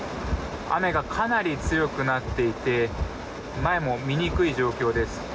雨がかなり強くなっていて前も見にくい状況です。